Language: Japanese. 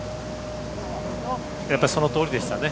やっぱその通りでしたね